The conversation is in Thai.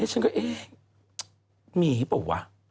เน้นฉันก็เอะมีปะวะ